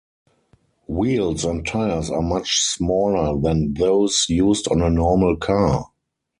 Wheels and tires are much smaller than those used on a normal car.